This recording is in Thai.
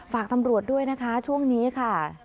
ฝากตำรวจด้วยนะคะช่วงนี้ค่ะ